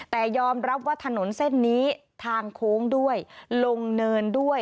แต่ยอมรับว่าถนนเส้นนี้ทางโค้งด้วยลงเนินด้วย